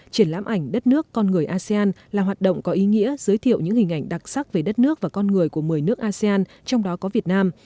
triển lãm ảnh đất nước con người asean là hoạt động có ý nghĩa giới thiệu những hình ảnh đặc sắc về đất nước và con người của một mươi nước asean trong đó có việt nam